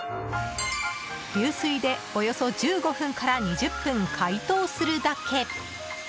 流水でおよそ１５分から２０分解凍するだけ。